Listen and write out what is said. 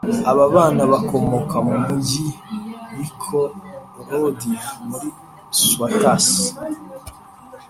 Aba bana bakomoka mu Mujyi wa Ikorodu muri swatasi